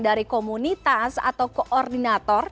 dari komunitas atau koordinator